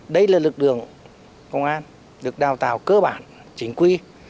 đây là lực đường công an được đào tạo cơ bản chính quy